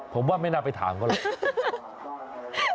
ผมว่าไม่น่าไปถามก็แหละ